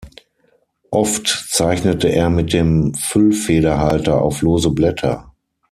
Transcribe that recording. Oft zeichnete er mit dem Füllfederhalter auf lose Blätter.